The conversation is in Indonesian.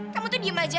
kamu tuh diem aja